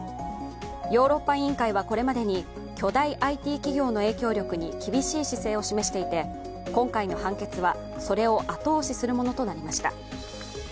ヨーロッパ委員会はこれまでに巨大ＩＴ企業の影響力に厳しい姿勢を示していて、今回の判決はそれを後押しするものとなりました。